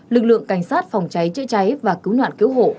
lực lượng cảnh sát phòng cháy chữa cháy và cứu nạn cứu hộ